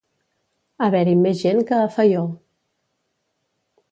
Haver-hi més gent que a Faió.